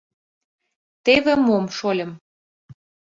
Теве мом, шольым.